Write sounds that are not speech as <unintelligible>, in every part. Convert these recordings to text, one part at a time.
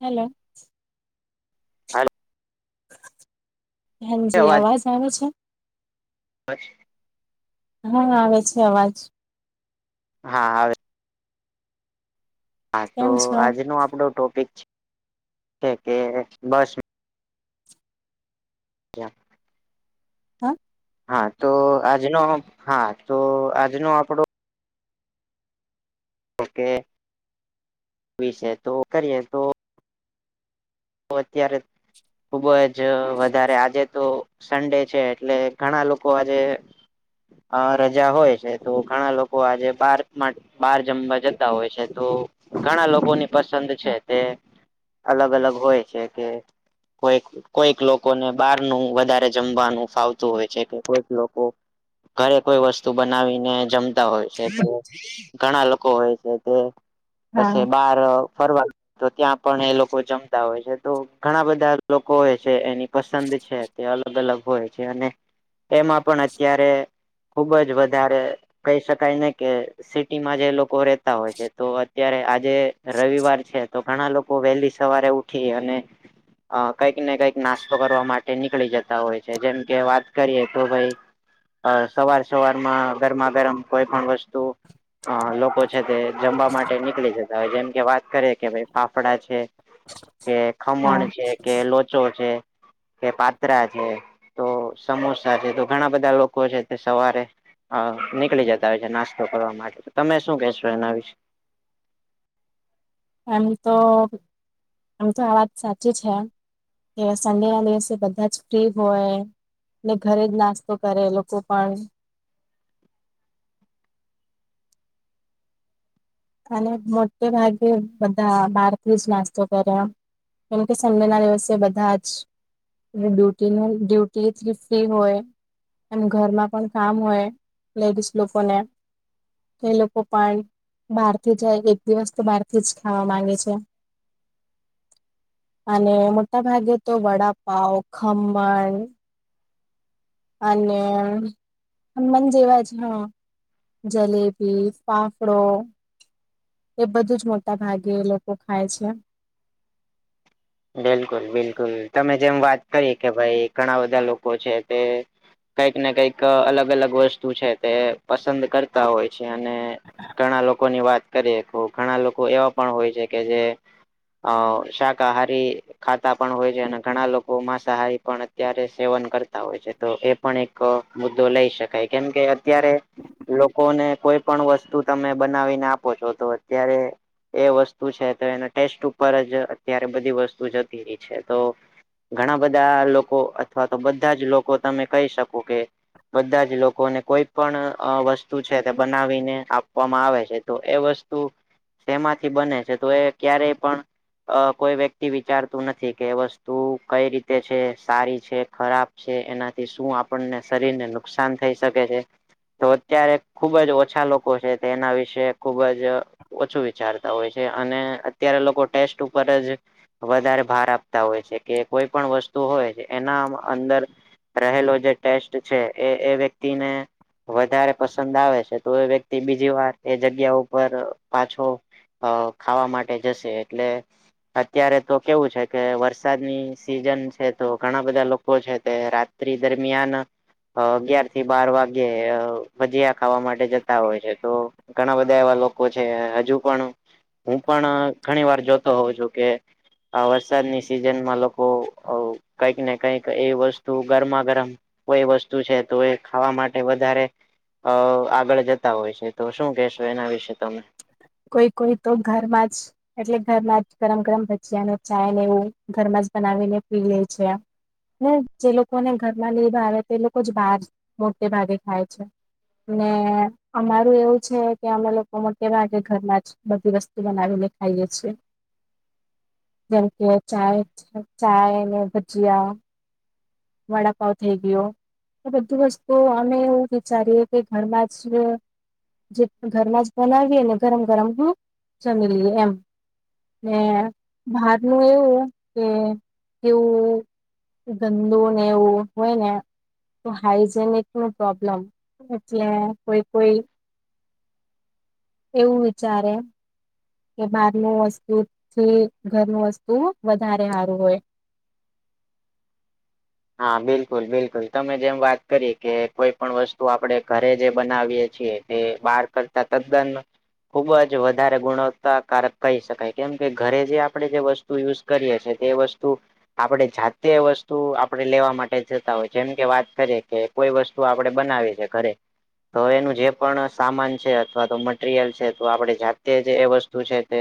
Hello. હા. હાજી અવાજ આવે છે? <unintelligible> હા આવે છે અવાજ હા હ આવે છે હા તો કેમ છો આજનો આપડો ટોપિક છે કે બસ ક્યા? હા. હા તો આજનો હા તો આજનો આપણો કે કેવી છે તે વિશે તો કરીએ તો તો અત્યારે ખુબ જ વધારે આજે તો સન્ડે છે એટલે ઘણા લોકો આજે અ રજા હોય છે તો ઘણા લોકો આજે બાર માટે બાર જમવા જતા હોય છે, તો ઘણા લોકોની પસંદ છે તે. અલગ અલગ હોય છે કે કોઈક કોઈક લોકોને બાર નું વધારે જમવાનું ફાવતું હોય છે કે કોઈક લોકો ઘરે કોઈ વસ્તુ બનાવીને જમતા હોય છે પણ ઘણા લોકો હોય છે તે પછી હા બાર ફરવા તો ત્યાં પણ એ લોકો જમ તા હોય છે તો ઘણા બધા લોકો હોય છે એની પસંદ છે તે અલગ અલગ હોય છે અને એમાં પણ અત્યારે ખુબ જ વધારે કહી શકાય ને કે સિટી માં જે લોકો રેતા હોય છે તો અત્યારે આજે રવિવાર છે તો ઘણા લોકો વહેલી સવારે ઉઠી અને અ કંઈક ને કંઈક નાસ્તો કરવા માટે નીકળી જતા હોય છે જેમ કે વાત કરીએ તો ભાઈ અ સવાર સવારમાં ગરમા ગરમ કોઈ પણ વસ્ તુ અ લોકો છે તે જમવા માટે નીકળી જાય. જેમ કે વાત કરે કે ભાઈ ફાફડા છે. કે ખમણ હા છે કે લોચો છે કે પાત્રા છે તો સમોસા છે તો ઘણા બધા લોકો છે તે સવારે હ નીકળી જતા હોય છે નાસ્તો કરવા માટે તમે શું કહેશો એના વિશ? એમ તો આમ તો આ વાત સાચી છે. કે સંડે ના દિવસે બધા જ ફ્રી હોય. ને ઘરે જ નાસ્તો કરે લોકો કાઈ. અને મોટે ભાગે બધા બહારથી જ નાસ્તો કર્યા. કેમકે સંડે ના દિવસે બધા જ અને ડ્યુટી નલ ડ્યુટીલી ફ્રી હોય. એમ ઘરમાં પણ કામ હોય લેડીસ લોકોને, એ લોકો પણ બારથી જાય, એક દિવસ તો બારથી જ ખાવા માંગે છે. અને મોટા ભાગે તો વડાપાવ, ખમણ અને હનમાન જેવા જ હઅ. જલેબી, ફાફડો એ બધું જ મોટા ભાગે એ લોકો ખાય છે. બિલકુલ, બિલકુલ તમે જેમ વાત કરી કે ભાઈ ઘણા બધા લોકો છે તે કઈક ને કઈક અલગ-અલગ વસ્તુ છે તે પસંદ કરતા હોય છે અને ઘણા લોકોની વાત કરીએ, કો ઘણા લોકો એવા પણ હોય છે કે જે અ શાકાહારી ખાતા પણ હોય છે અને ઘણા લોકો માંસાહારી પણ અત્યારે સેવન કરતા હોય છે, તો એ પણ એક ક મુદ્દો લઈ શકાય કેમ કે, અત્યારે લોકોને કોઈ પણ વસ્તુ તમે બનાવીને આપો છો તો અત્યારે એ વસ્તુ છે તો એના ટેસ્ટ ઉપર જ અત્યારે બધી વસ્તુ જતી રી છે તો ઘણા બધા લોકો અથવા તો બધા જ લોકો તમે કઈ શકો કે બધા જ લોકોને કોઈ પણ અ વસ્તુ છે તે બનાવીને આપવામાં આવે છે તો એ વસ <inaudible> શેમાંથી બને છે તો એ ક્યારેય પણ અ કોઈ વ્યક્તિ વિચારતું નથી કે એ વસ્તુ કઈ રીતે છે, સારી છે, ખરાબ છે એનાથી શું આપડને શરીરને નુકસાન થઈ શકે છે. તો અત્યારે ખુબ જ ઓછા લોકો છે તે એના વિશે ખુબ જ ઓછું વિચારતા હોય છે અને અત્યારે લોકો ટેસ્ટ ઉ પર જ વધારે ભાર આપતા હોય છે કે કોઈ પણ વસ્તુ હોય એના અંદર રહેલો જે ટેસ્ટ છે એ એ વ્યક્તિને વધારે પસંદ આવે છે, તો એ વ્યક્તિ બીજીવાર એ જગ્યા ઉપર પાછો હવ ખાવા માટે જશે એટલે અત્યારે તો કેવું છે કે વરસાદની સીઝન છે તો ઘણા બધા લોકો છે તે રાત ત્રી દરમિયાન અ અગિયારથી બાર વાગ્યે ભજીયા ખાવા માટે જતા હોય છે તો ઘણા બધા એવા લોકો છે, હજુ પણ હું પણ ઘણીવાર જોતો હોવ છું કે આ વરસાદની સિઝનમાં લોકો કઈક ને કઈક એ વસ્તુ ગરમા-ગરમ કોઈ વસ્તુ છે તો એ ખાવા માટે વધારે અ આગળ જતા હોય છે, તો શું કહેશો એના વિશે તમે? કોઈ, કોઈ તો ઘરમાં જ એટલે ઘરમાં જ ગરમ-ગરમ ભજીયાને ચાયને એવું, ઘરમાં જ બનાવીને પી લે છે. એમ ને જે લોકોને ઘરમાં ની ભાવે તે લોકો જ બાર મોટે ભાગે ખાય છે. ને અમારું એવું છે કે અમે લોકો મો ટે ભાગે ઘરમાં જ બધી વસ્તુ બનાવીને ખાઈએ છીએ. જેમ કે ચાય છે. ચાયને ભજીયા. વડાપાવ થઈ ગયો. તો બધું વસ્તુઓ અમે એવું વિચારીએ કે ઘરમાં જ જે ઘરમાં જ બનાવીએને ગરમ-ગરમ હમ જમીલીએ એમ. ને બહારનું એવું કે કેવું ગંદુને એવું હોય ને તો હાઈજેનિકનું પ્રોબ્લમ એટલે કોઈ કોઈ એવું વિચારે કે બારનું વસ્તુથી ઘરનું વસ્તુ વધારે હારું હોય. હા બિલકુલ બિલકુલ તમે જેમ વાત કરી કે કોઈ પણ વસ્તુ આપડે ઘરે જે બનાવીએ છીએ- - તે બાર કરતા તદ્દન- - ખુબ જ વધારે ગુણવત્તાકારક કહી શકાય કેમ કે ઘરે જે આપણેે જે વસ્તુ- - યુઝ કરીએ છે તે વસ્તુ આપણે જાતે વસ્તુ- - આપણે લેવા માટે જતા હોય જેમ કે વાત કરીએ કે કોઈ વસ્તુ આપડણે બનાવી છે ઘરે- - તો એનું જે પણ સામાન છે અથવા તો- - મટીરિયલ છે તો આપણે જાતે જે એ વસ્તુ છે તે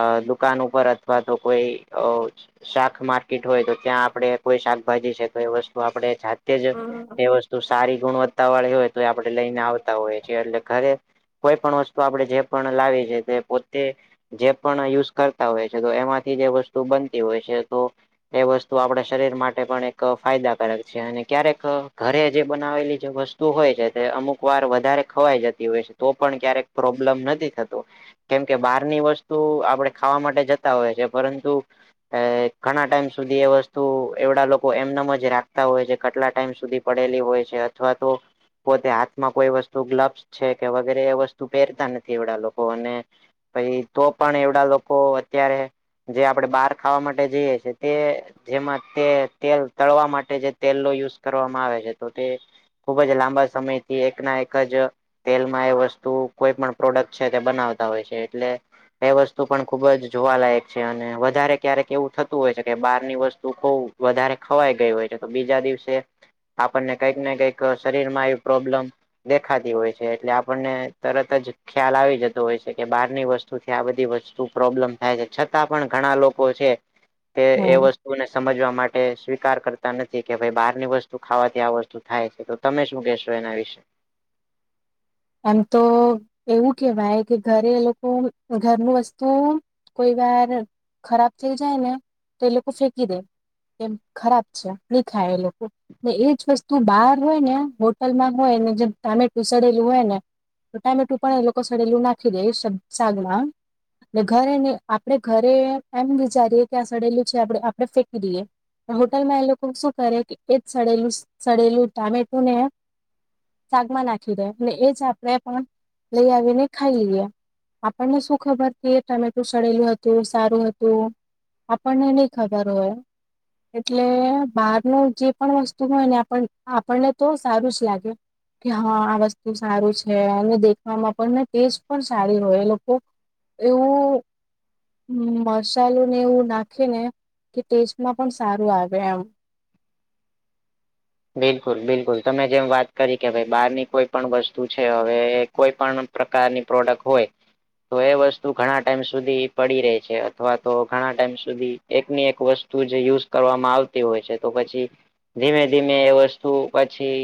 અ દુકાન ઉપર અથવા તો કોઈ- - શાક માર્કેટ હોય તો ત્યાં આપણે કોઈ- - શાકભાજી છે વસ્તુ આપણે જાતે જ હમ એ વતુ ત સારી ગુણવત્તા વાળી હોય તો એ આપણે લઈને આવતા હોયએએ એટલે ઘરે- - કોઈ પણ વસ્તુ આપણે જે પણ લાવી છે તે પોતે- - જે પણ યુઝ કરતા હોય છે તો એમાંથી જે વસ્તુ બનતી હોય છે તો- - એ વસ્તુ આપણા શરીર માટે- - માટે પણ એક ફાયદાકારક છે અને ક્યારેક ઘરે જે બનાવેલી જે વસ્તુ હોય છે તે અમુક- - વાર વધારે ખવાઈ જતી હોય છે તો પણ ક્યારેક પ્રોબ્લેમ નથી થતો- - કેમ કે બહારની વસ્તુ આપણે ખાવા માટે જતા હોય છે પરંતુ- - અ ઘણા ટાઈમ સુધી એ વસ્તુ- - એવડા લોકો એમનામ જ રાખતા હોય છે કેટલા ટાઈમ સુધી પડેલી હોય છે અથવા તો- - પોતે હાથમાં કોઈ વસ્તુ ગ્લબ્સ છે કે વગેરે એ વસ્તુ પહેરતા નથી એવડા લોકો અને- - પાઈ તો પણ એવડા લોકો અત્યારે- - જે આપણેે બહાર ખાવા માટે જઈએ છેએ તે જેમાં- - તે તેલ તળવા માટે જે તેલનો યુઝ કરવામાં આવે છે તો તે- - ખુબ જ લાંબા સમયથી એકના એક જ- - તેલમાં એ વસ્તુ કોઈ પણ પ્રોડક્ટ છે તે બનાવતા હોય છે એટલે - - એ વસ્તુ પણ ખુબ જ જોવાલાયક છે અને વધારે ક્યારેક એવું થતું હોય છે કે બારની વસ્તુ- - શું કંઉ વધારે ખવાઈ ગયું હોય ત્યારે તો બીજા દિવસે- - આપણને કંઈક ને કંઈક શરીર માં એ પ્રોબ્લેમ- - દેખાતી હોય છે એટલે આપણને તરત જ ખ્યાલ આવી જતો હોય છે કે બહારની વસ્તુ- - શ છે આ બધી વસ્તુ પ્રોબ્લેમ થાય છે છતાં પણ ઘણા લોકો છે <inaudible> કે એ વસ્તુ- - ને સમજવા માટે સ્વીકાર કરતા નથી કે ભાઈ બહારની વસ્તુ ખાવાથી આ વસ્તુ થાય છે તો- - તમે શું કહેશો એના વિશે? એમ તો એવું કેહેવાય કે ઘરે એ લોકો ઘરનું વસ્તુ- - કોઈ વાર ખરાબ થઈ જાય ને તો એ લોકો ફેંકી દે. એમ ખરાબ છે નહી ખાય એ લોકો ને એજ વસ્તુ બહાર હોય ને હોટલમાં હોય ને જેમ ટામેટું સડ્ હોય ને તો ટામેટું પણ એ લોકો સડેલું નાખી દે સાગમાં અ ને ઘરે નહી આપણેે ઘરે એમ વિચારીએે કે આ સડેલું છે આપ આપડે ફેંકી દઈએ હોટલમાં એ લોકો શું કરે કે એ જ સડેલું સડેલું ટામેટું ને સાગમાં નાખી દે અને એ જ સાગ ને પણ લઈ આવીને ખાઈ લઈએ આપણને શું ખબર કે ટમેટું સળેલું હતું સારું હતું આપણને નઈ ખબર હોય એટલે બારનું જે પણ વસ્તુ હોય ને આપણને તો સારું લાગે કે હા વસ્તુ સારું છે અને દેખવામાં પણ ને ટેસ્ટ પણ સારી હોય એ લોકો એવું હ મસાલો ને એવું નાખે ને કે ટેસ્ટમાં પણ સારું આવે એમ- - બિલકુલ બિલકુલ તમે જેમ વાત કરી કે ભાઈ બહારની કોઈ પણ વસ્તુ છે હવે કોઈ પણ- - પ્રકારની પ્રોડક્ટ હોય. તો એ વસ્તુ ઘણા ટાઈમ સુધી પડી રહે છે અથવા તો ઘણા ટાઈમ સુધી એકની એક વસ્તુ જે યુઝ કરવામાં આવતી હોય છે તો પછી ધીમે ધીમે એ વસ્તુ પછી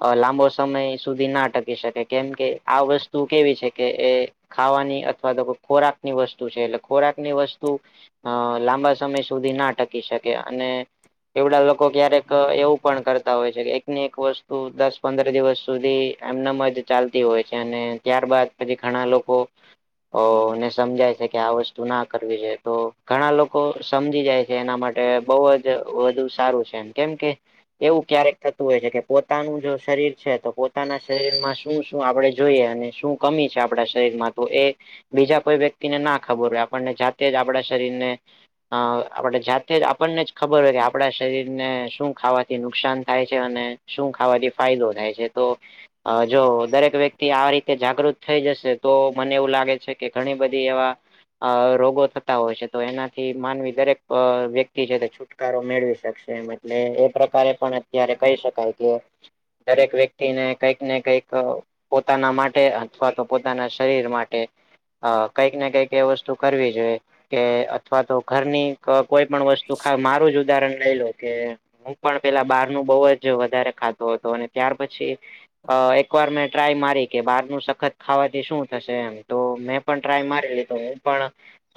અ લાંબો સમય સુધી ના ટકી શકે કેમ કે આ વસ્તુ કેવી છે કે એ ખાવાની અથવા તો ખોરાક ની વસ્તુ છે એટલે ખોરાકની વસ્તુ અ લાંબા સમય સુધી ના ટકી શકે અને એવડા લોકો ક્યારેક એવું પણ કરતા હોય છે એક ને એક વસ્તુ દસ પંદર દિવસ સુધી એમને એમ જ ચાલતી હોય છે અને ત્યાર બાાદ પછી ઘણા લોકો અ ને સમજાય છે કે આ વસ્તુ ના કરવી જોઈ તો ઘણા લોકો સમજી જાય જે એના માટે બહુ જ વધુ સારું છે કેમ કે એવું ક્યારેક થતું હોય છે કે પોતાનું જો શરીર છે તો પોતાના શરીરમાં શું શું આપણે જોઈએ અને શું કમી છે આપણા શરીરમાં તો એ બીજા કોઈ વ્યક્તિને ના ખબર હોય આપણને જાતે જ આપણા શરીર ને હા. આપણે જાતે જ આપણને જ ખબર હોય, કે આપણા શરીર ને શું ખાવા થી નુકસાન થાય છે, અને શું ખાવાથી ફાયદો થાય છે. તો અહ જો દરેક વ્યક્તિ આ રીતે જાગૃત થઈ જશે તો મને એવું લાગે છે, કે ઘણી બધી એવા અહ રોગો થતા હોય છે. તો એનાથી માનવી દરેક અહ વ્યક્તિ છે તે છૂટ ટકારો મેળવી શકશે એમ. એટલે એ પ્રકારે પણ અત્યારે કહી શકાય કે દરેક વ્યક્તિને કંઈક ને કંઈક અહ પોતાના માટે અથવા તો પોતાના શરીર માટે અહ કંઈક ને કંઈક એ વસ્તુ કરવી જોઈએ. કે અથવા તો ઘરની કોઈ પણ વસ્તુ ખાવ, મારું જ ઉદાહરણ લઈ લો કે હું પણ પેલા બહારનું બહુ જ વધારે ખાતો હતો. અને ત્યાર પછી અહ એકવાર મેં ટ્રાય મારી કે બહારનું સખત ખાવાથી શું થશે એમ. તો મે પણ ટ્રાય મારેલી. તો હું પણ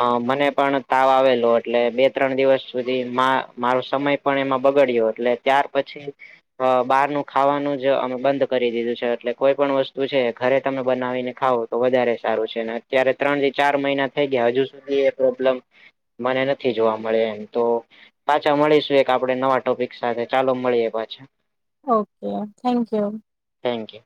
અહ મને પણ તાવ આવેલો. એટલે બે ત્રણ દિવસ સુધી મા મારો સમય પણ એમાં બગડ્યો એટલે ત્યાર પછી અહ બહારનુ ખાવાનું જ અમે બંધ કરી દીધું છે. એટલે કોઈ પણ વસ્તુ છે એ ઘરે તમે બનાવીને ખાવ. તો વધારે સારું છે. ને અત્યારે ત્રણ થી ચાર મહિના થઈ ગયા, હજુ સુધી એ પ્રોબ્લેમ મને નથી જોવા મળે એમ. તો પાછા મળીશું એક આપણે નવા ટોપિક સાથે, ચાલો મળીએ પાછા. Okay, thank you. Thank you.